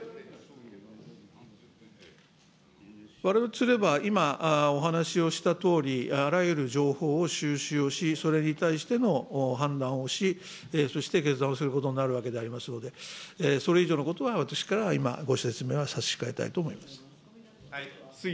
われわれとすれば、今、お話をしたとおり、あらゆる情報を収集をし、それに対しての判断をし、そして決断することになるわけでありますので、それ以上のことは私からは今、ご説明は差し控えたいと思います。